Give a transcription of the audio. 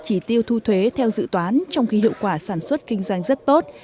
chỉ tiêu thu thuế theo dự toán trong khi hiệu quả sản xuất kinh doanh rất tốt